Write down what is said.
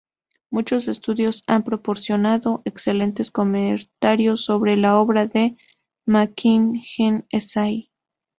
Muchos estudiosos han proporcionado excelentes comentarios sobre la obra de Makin "An Essay".